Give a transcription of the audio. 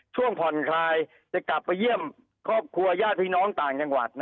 ช่วงผ่อนคลายจะกลับไปเยี่ยมครอบครัวญาติพี่น้องต่างจังหวัด